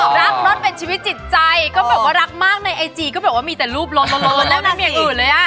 รักรถเป็นชีวิตจิตใจก็แบบว่ารักมากในไอจีก็แบบว่ามีแต่รูปร้อนแล้วทำอย่างอื่นเลยอ่ะ